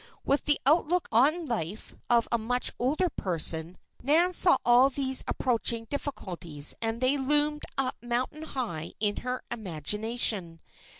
With the outlook on life of a much older person, Nan saw all these approaching difficulties, and they loomed up mountain high in her imagination.